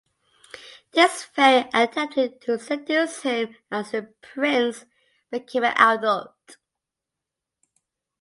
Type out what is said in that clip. This fairy attempted to seduce him as the prince became an adult.